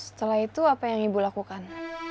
setelah itu apa yang ibu lakukan